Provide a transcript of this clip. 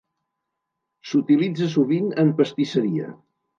S'utilitza sovint en pastisseria.